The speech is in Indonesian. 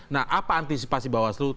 nah apa antisipasi bawah selu